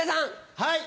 はい。